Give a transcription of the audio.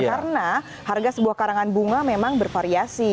karena harga sebuah karangan bunga memang bervariasi